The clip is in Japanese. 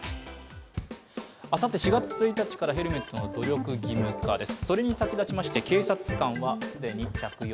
あさって４月１日からヘルメットの努力義務化です。